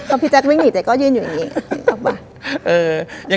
พอพี่แจ๊กวิ่งหนีแต่ก็ยืนอยู่อย่างนี้ออกมา